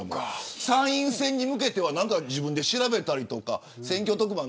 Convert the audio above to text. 参院選に向けては何か自分で調べたりとか選挙特番